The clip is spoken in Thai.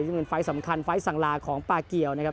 ซึ่งเป็นไฟล์สำคัญไฟล์สั่งลาของปาเกียวนะครับ